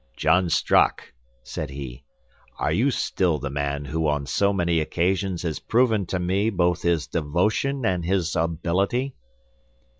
"John Strock," said he, "are you still the man who on so many occasions has proven to me both his devotion and his ability?"